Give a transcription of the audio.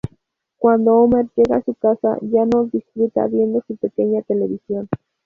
Cuando Homer llega a su casa, ya no disfruta viendo su pequeña televisión.